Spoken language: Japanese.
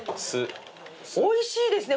おいしいですね